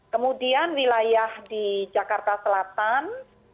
kemudian wilayah di jakarta selatan